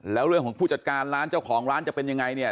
แล้วเรื่องของผู้จัดการร้านเจ้าของร้านจะเป็นยังไงเนี่ย